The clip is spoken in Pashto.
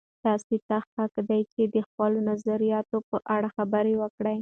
تاسې ته حق دی چې د خپلو نظریاتو په اړه خبرې وکړئ.